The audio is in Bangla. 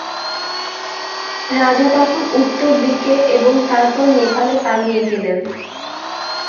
রাজা তখন উত্তরদিকে এবং তারপর নেপালে পালিয়ে গেলেন।